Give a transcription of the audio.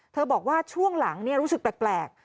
บอกว่าช่วงหลังรู้สึกแปลก